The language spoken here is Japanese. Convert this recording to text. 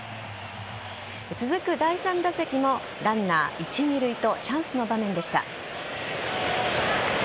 続く第３打席もランナー一・二塁とチャンスの場面でした。